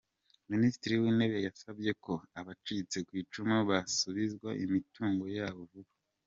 Minisitiri w’Intebe yasabye ko abacitse ku icumu basubizwa imitungo yabo vuba